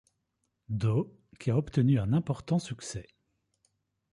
Do qui a obtenu un important succès.